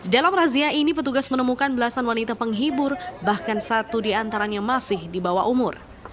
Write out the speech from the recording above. dalam razia ini petugas menemukan belasan wanita penghibur bahkan satu diantaranya masih di bawah umur